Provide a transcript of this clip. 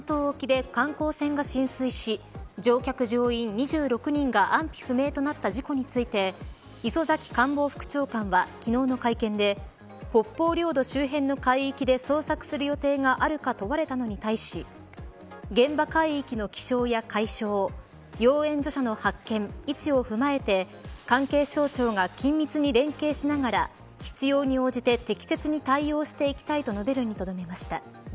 北海道知床半島沖で観光船が浸水し乗客、乗員２６人が安否不明となった事故について磯崎官房副長官は昨日の会見で北方領土周辺の海域で捜索する予定があるか問われたのに対し現場海域の気象や海象要援助者の発見、位置を踏まえて関係省庁が緊密に連携しながら必要に応じて適切に対応しておきたいと述べるにとどめました。